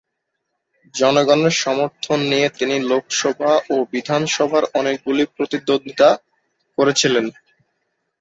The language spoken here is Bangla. জনগণের সমর্থন নিয়ে তিনি লোকসভা ও বিধানসভার অনেকগুলি প্রতিদ্বন্দ্বিতা করেছিলেন।